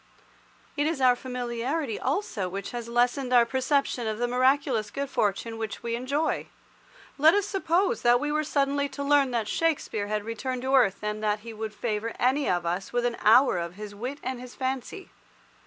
It is our familiarity also which has lessened our perception of the miraculous good fortune which we enjoy. Let us suppose that we were suddenly to learn that Shakespeare had returned to earth, and that he would favour any of us with an hour of his wit and his fancy.